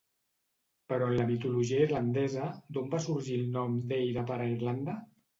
Però en la mitologia irlandesa, d'on va sorgir el nom d'Éire per a Irlanda?